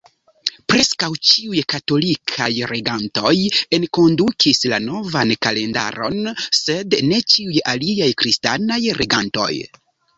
Preskaŭ ĉiuj katolikaj regantoj enkondukis la novan kalendaron, sed ne ĉiuj aliaj kristanaj regantoj.